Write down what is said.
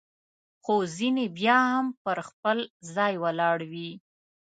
خو ځیني بیا هم پر خپل ځای ولاړ وي.